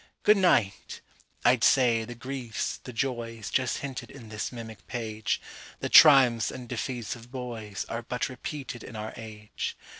Good night!—I'd say, the griefs, the joys, Just hinted in this mimic page, The triumphs and defeats of boys, Are but repeated in our age.